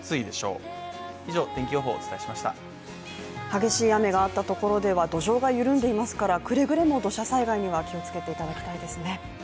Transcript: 激しい雨があったところでは土壌が緩んでいますからくれぐれも土砂災害には気をつけていただきたいですね。